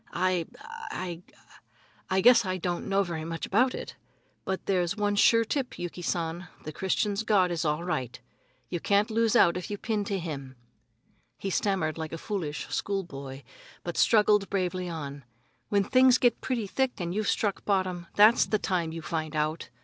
"I I I guess I don't know very much about it. But there's one sure tip, Yuki San, the Christians' God is all right. You can't lose out if you pin to him." He stammered like a foolish schoolboy, but struggled bravely on: "When things get pretty thick and you've struck bottom, that's the time you find out.